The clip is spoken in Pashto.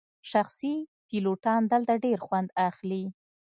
شخصي پیلوټان دلته ډیر خوند اخلي